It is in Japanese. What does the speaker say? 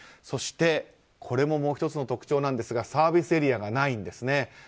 そして、これももう１つの特徴なんですがサービスエリアがないんですね。